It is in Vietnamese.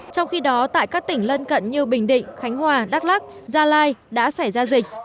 trong khi đó tại các tỉnh lân cận như bình định khánh hòa đắk lắc gia lai đã xảy ra dịch